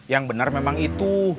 yang benar memang itu